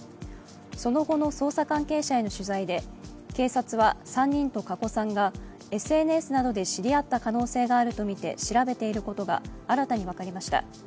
その後の捜査関係者への取材で警察は３人と加古さんがＳＮＳなどで知り合った可能性があるとみて調べていることが新たに分かりました。